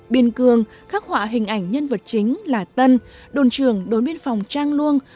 biên cường khắc họa hình ảnh nhân vật chính là tân đồn trường đối biên phòng trang luông